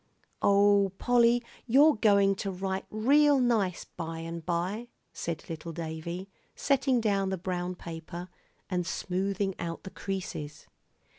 "Oh, Polly, you're going to write real nice, by and by," said little Davie, setting down the brown paper, and smoothing out the creases.